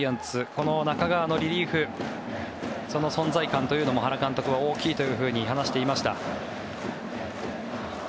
この中川のリリーフその存在感というのも原監督は大きいというふうに話していました。